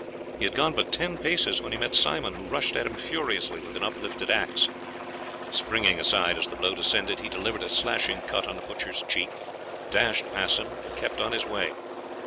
He had gone but ten paces when he met Simon, who rushed at him furiously with an uplifted axe. Springing aside as the blow descended he delivered a slashing cut on the butcher's cheek, dashed past him, and kept on his way.